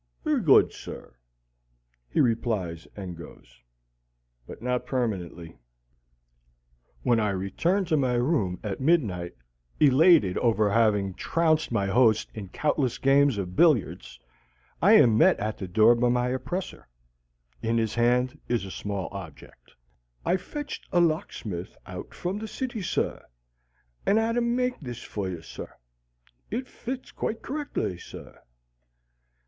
"Very good, sir," he replies and goes. But not permanently. When I return to my room at midnight, elated over having trounced my host in countless games of billiards, I am met at the door by my oppressor. In his hand is a small object. "I fetched a locksmith out from the city, sir, and 'ad 'im make this for you, sir. It fits quite correctly, sir."